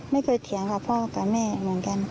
เถียงกับพ่อกับแม่เหมือนกัน